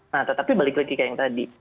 nah tetapi balik lagi ke yang tadi